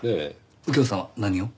右京さんは何を？